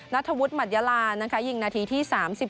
นัทวุธหมัดยารายิงนาทีที่๓๔